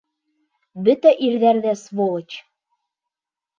Бөтә ирҙәр ҙә сволочь!